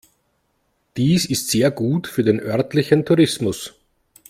Dies ist sehr gut für den örtlichen Tourismus.